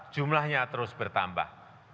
jumlahnya terus bertambah